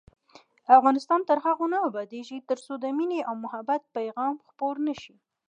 افغانستان تر هغو نه ابادیږي، ترڅو د مینې او محبت پیغام خپور نشي.